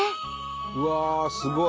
うわすごい！